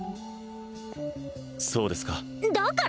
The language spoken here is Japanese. そうですか？